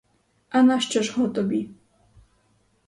А нащо ж го тобі?